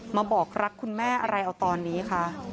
มาบอกรักคุณแม่อะไรเอาตอนนี้คะ